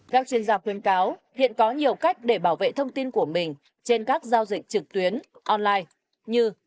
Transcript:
các chuyên gia khuyên cáo hiện có nhiều cách để bảo vệ thông tin của mình trên các giao dịch trực tuyến online như